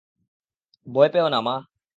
ভয় পেয়ো না, মা!